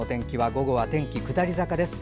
午後は天気下り坂です。